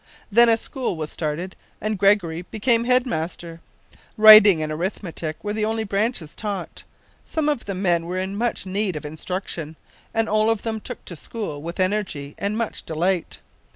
Then a school was started and Gregory became head master. Writing and arithmetic were the only branches taught. Some of the men were much in need of instruction, and all of them took to the school with energy and much delight.